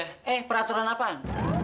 eh peraturan apaan